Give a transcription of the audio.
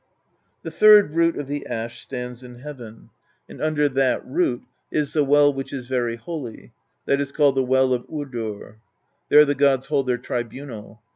The third root of the Ash stands in heaven; and under 28 PROSE EDDA that root is the well which is very holy, that is called the Well of Urdr; there the gods hold their tribunal.